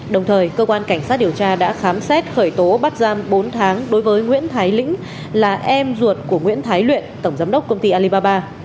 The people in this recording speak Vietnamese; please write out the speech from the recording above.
đồng thời cơ quan cảnh sát điều tra đã khám xét khởi tố bắt giam bốn tháng đối với nguyễn thái lĩnh là em ruột của nguyễn thái luyện tổng giám đốc công ty alibaba